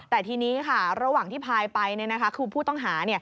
แต่ทีนี้ค่ะระหว่างที่พายไปคือผู้ต้องหา